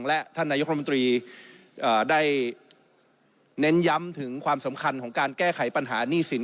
และท่านนายกรมนตรีได้เน้นย้ำถึงความสำคัญของการแก้ไขปัญหานี่สิน